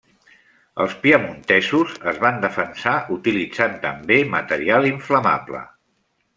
Els piemontesos es van defensar utilitzant també material inflamable.